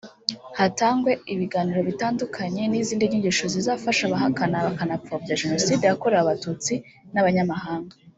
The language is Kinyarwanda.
hatangwe ibiganiro bitandukanye n’izindi nyigisho zizafasha abahakana bakanapfobya Jenoside yakorewe Abatutsi n’abanyamahanga